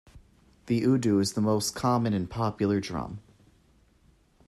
The Udu is the most common and popular drum.